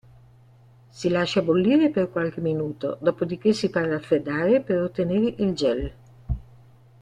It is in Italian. Si lascia bollire per qualche minuto, dopodiché si fa raffreddare per ottenere il gel.